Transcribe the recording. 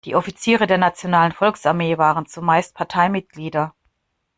Die Offiziere der Nationalen Volksarmee waren zumeist Parteimitglieder.